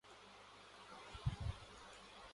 کیا کوئی ایک شخص دنیا میں کوئی بدلاؤ لا سکتا ہے